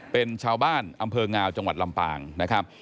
เป็นชาวบ้านอำเภองาวจังหวัดลำปางนะครับ